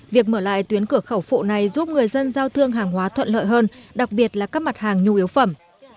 việc mở lại tuyến cửa khẩu phụ này giúp người dân giao thương hàng hóa thuận lợi hơn đặc biệt là các mặt hàng nhu yếu phẩm